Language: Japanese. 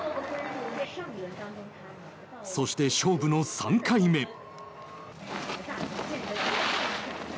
そして、勝負の３回目。